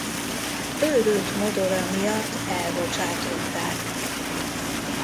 Őrült modora miatt elbocsátották.